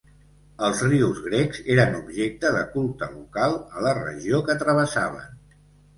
Els rius grecs eren objecte de culte local a la regió que travessaven.